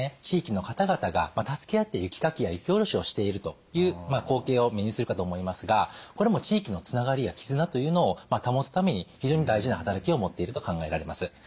地域の方々が助け合って雪かきや雪下ろしをしているという光景を目にするかと思いますがこれも地域のつながりや絆というのを保つために非常に大事な働きを持っていると考えられます。